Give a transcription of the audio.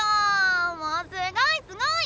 もうすごいすごい！